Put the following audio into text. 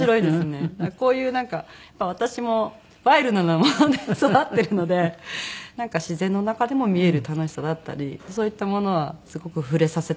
こういうなんかやっぱ私もワイルドなもので育ってるので自然の中でも見える楽しさだったりそういったものはすごく触れさせたいなっていう。